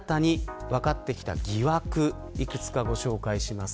新たに分かってきた疑惑幾つかご紹介します。